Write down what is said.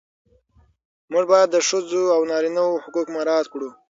موږ باید د ښځو او نارینه وو حقوق مراعات کړو.